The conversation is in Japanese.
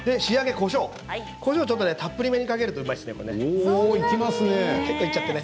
こしょうはたっぷりめにかけるとうまいですよね。